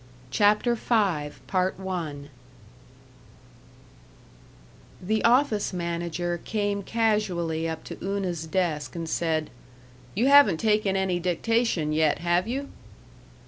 CHAPTER V The office manager came casually up to Una's desk and said, "You haven't taken any dictation yet, have you?"